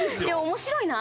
面白いな。